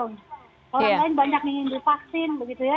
orang lain banyak mengindul vaksin